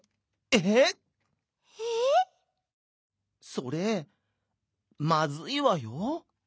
「それまずいわよ」。